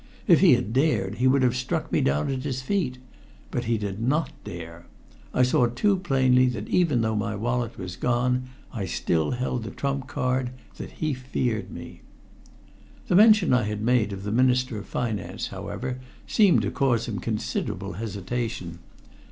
If he had dared, he would have struck me down at his feet. But he did not dare. I saw too plainly that even though my wallet was gone I still held the trump card that he feared me. The mention I had made of the Minister of Finance, however, seemed to cause him considerable hesitation.